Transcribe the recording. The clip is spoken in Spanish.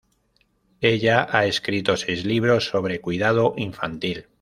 Ella ha escrito seis libros sobre cuidado infantil.